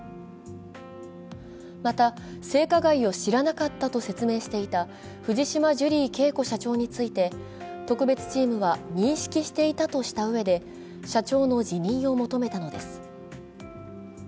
また性加害を知らなかったと説明していた藤島ジュリー景子社長について、特別チームは認識していたとしたうえで社長の辞任を求めたのです。